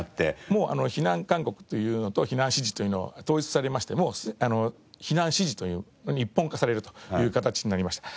もう避難勧告というのと避難指示というのは統一されまして避難指示というのに一本化されるという形になりました。